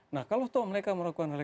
nah kalau mereka melakukan rekreasi